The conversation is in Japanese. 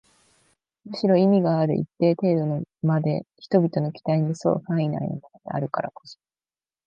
むしろ意味がある一定程度まで人々の期待に添う範囲内のものであるからこそ